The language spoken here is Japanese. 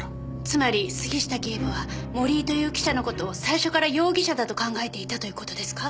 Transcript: つまり杉下警部は森井という記者の事を最初から容疑者だと考えていたという事ですか？